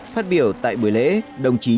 phát biểu tại buổi lễ đồng chí trương thị mai